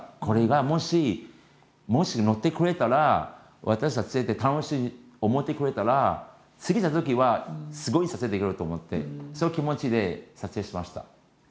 これがもしもしのってくれたら私の撮影って楽しいって思ってくれたら次のときはすごい撮影できると思ってそういう気持ちで撮影しました。